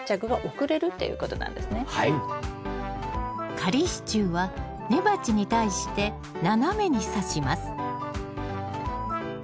仮支柱は根鉢に対して斜めにさします